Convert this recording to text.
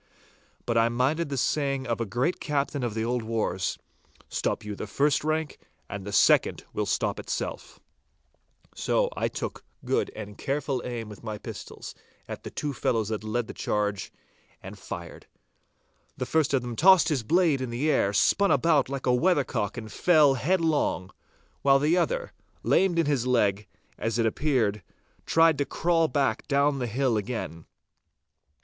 But I minded the saying of a great captain of the old wars, 'Stop you the front rank, and the second will stop of itself.' So I took good and careful aim with my pistols at the two fellows that led the charge, and fired. The first of them tossed his blade in the air, spun about like a weathercock and fell headlong, while the other, lamed in his leg, as it appeared, tried to crawl back down the hill again.